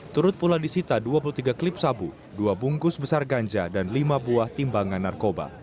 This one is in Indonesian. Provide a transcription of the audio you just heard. turut pula disita dua puluh tiga klip sabu dua bungkus besar ganja dan lima buah timbangan narkoba